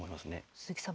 鈴木さん